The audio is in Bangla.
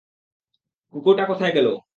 কুকুরটা কোথায় গেল?